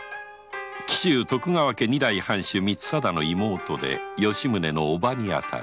紀州徳川家二代藩主・光貞の妹で吉宗の叔母になる。